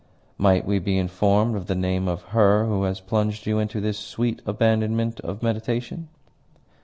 "Might we be informed of the name of her who has plunged you into this sweet abandonment of meditation?"